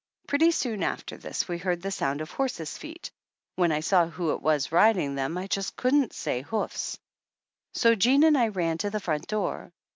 Pretty soon after this we heard the sound of horses' feet (when I saw who it was riding them I just couldn't say hoofs), so Jean and I ran to the front door.